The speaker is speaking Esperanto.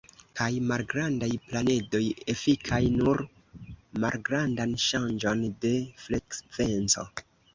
Kaj malgrandaj planedoj efikas nur malgrandan ŝanĝon de frekvenco.